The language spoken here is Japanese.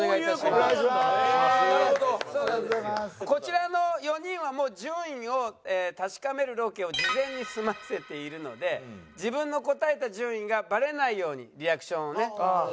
こちらの４人はもう順位を確かめるロケを事前に済ませているので自分の答えた順位がバレないようにリアクションをね。